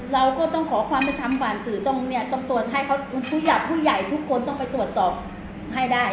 เราก็ต้องขอความเป็นธรรมผ่านสื่อตรงเนี่ยต้องตรวจให้เขาผู้หลักผู้ใหญ่ทุกคนต้องไปตรวจสอบให้ได้